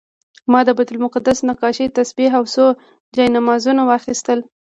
ما د بیت المقدس نقاشي، تسبیح او څو جانمازونه واخیستل.